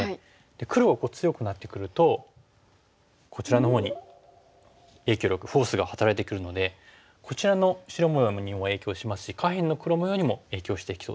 黒が強くなってくるとこちらのほうに影響力フォースが働いてくるのでこちらの白模様にも影響しますし下辺の黒模様にも影響してきそうですよね。